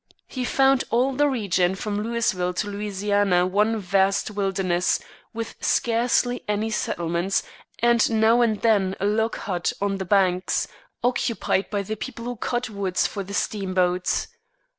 He found all the region from Louisville to Louisiana "one vast wilderness," with scarcely any settlements, and now and then a log hut on the banks, occupied by the people who cut wood for the steamboats.